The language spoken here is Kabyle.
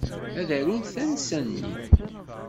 Ad arunt tansa-nni.